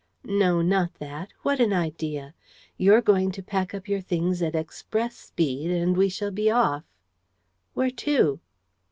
"No, not that! What an idea! You're going to pack up your things at express speed and we shall be off." "Where to?"